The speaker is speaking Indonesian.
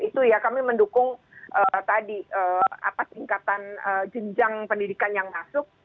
itu ya kami mendukung tadi atas tingkatan jenjang pendidikan yang masuk